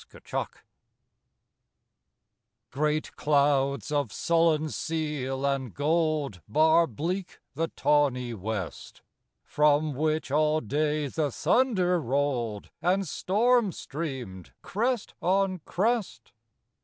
AFTER STORM Great clouds of sullen seal and gold Bar bleak the tawny west, From which all day the thunder rolled, And storm streamed, crest on crest.